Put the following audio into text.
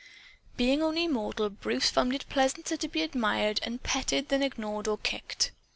Being only mortal, Bruce found it pleasanter to be admired and petted than ignored or kicked.